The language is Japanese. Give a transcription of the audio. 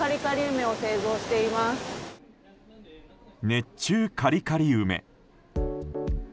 熱中カリカリ梅。